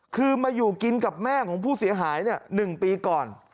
คือมาอยู่กินกับแม่ของผู้เสียหาย๑ปีก่อน